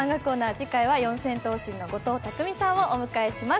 次回は四千頭身・後藤拓実さんをお迎えします。